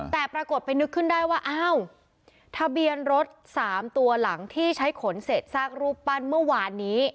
แต่ปรากฏไปนึกขึ้นได้ว่าอ้าวทะเบียนรถ๓ตัวหลังที่ใช้ขนเศษซากรูปปั้นเมื่อวานนี้